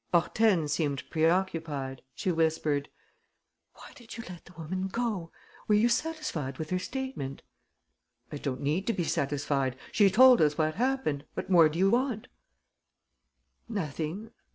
Hortense seemed preoccupied. She whispered: "Why did you let the woman go? Were you satisfied with her statement?" "I don't need to be satisfied. She told us what happened. What more do you want?" "Nothing....